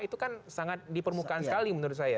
itu kan sangat di permukaan sekali menurut saya